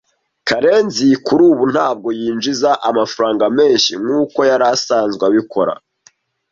Karenzi kuri ubu ntabwo yinjiza amafaranga menshi nkuko yari asanzwe abikora.